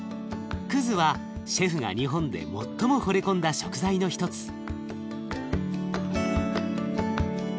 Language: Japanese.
くずはシェフが日本で最もほれ込んだ食材の一つ。